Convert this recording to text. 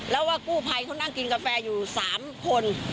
แล้วว่ากู้ภัยเขานั่งกินกาแฟอยู่๓คน